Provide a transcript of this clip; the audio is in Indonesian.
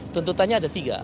tuntutannya ada tiga